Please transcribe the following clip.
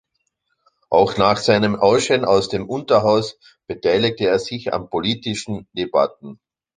Auch nach seinem Ausscheiden aus dem Unterhaus beteiligte er sich an politischen Debatten.